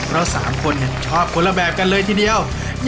เรา๓คนชอบคนละแบบกันเลยทีเดียว